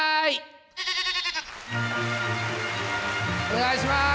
お願いします。